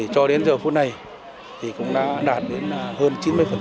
cho đến giờ phút này thì cũng đã đạt đến hơn chín mươi